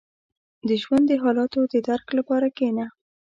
• د ژوند د حالاتو د درک لپاره کښېنه.